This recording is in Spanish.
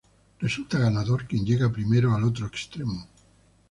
Resulta ganador quien llega primero al otro extremo.